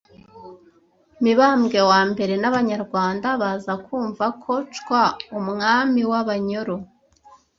Mibambwe I n’Abanyarwanda baza kumva ko Cwa, umwami w’Abanyoro